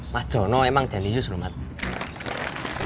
mas jono emang jenius rumah